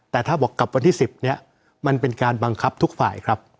แต่ถ้าบอกกลับวันที่๑๐เนี่ยมันเป็นการบังคับทุกฝ่ายครับ